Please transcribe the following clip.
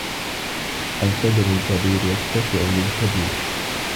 القِدْر الكبير يتسع للكبير